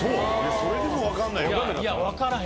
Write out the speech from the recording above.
それでも分からない。